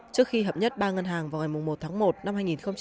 trước khi hập nhất ba ngân hàng vào ngày một tháng một năm hai nghìn một mươi hai